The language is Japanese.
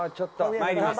まいります。